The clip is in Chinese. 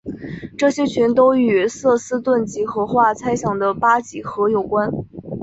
这些群都与瑟斯顿几何化猜想的八几何有关。